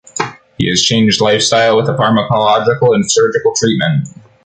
He has changed life style with a pharmacological and surgical treatment.